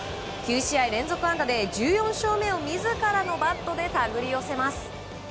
９試合連続安打で１４勝目を自らのバットで手繰り寄せます。